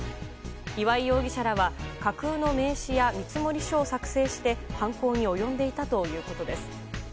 岩井容疑者らは架空の名刺や見積書を作成して犯行に及んでいたということです。